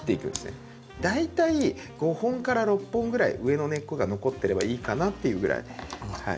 大体５本から６本ぐらい上の根っこが残ってればいいかなっていうぐらい。